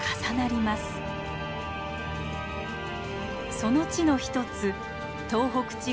その地の一つ東北地方